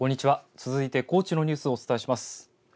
続いて高知のニュースをお伝えします。